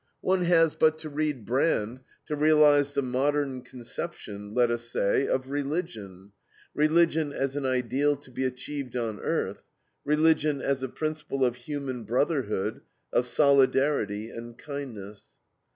One has but to read BRAND to realize the modern conception, let us say, of religion, religion, as an ideal to be achieved on earth; religion as a principle of human brotherhood, of solidarity, and kindness.